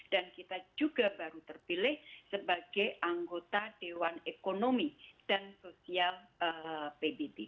dan kita juga baru terpilih sebagai anggota dewan ekonomi dan sosial pbb